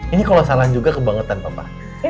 ini kalau salah juga kebangetan bapak